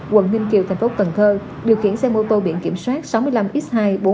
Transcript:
quận ninh kiều thành phố cần thơ điều khiển xe mô tô biển kiểm soát sáu mươi năm x hai bốn nghìn bảy trăm bảy mươi một